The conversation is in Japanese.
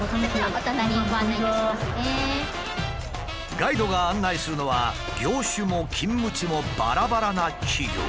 ガイドが案内するのは業種も勤務地もばらばらな企業。